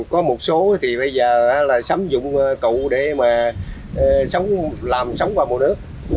có một số thì bây giờ là sắm dụng cụ để mà làm sống vào một nước